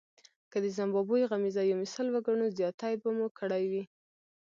که د زیمبابوې غمیزه یو مثال وګڼو زیاتی به مو کړی وي.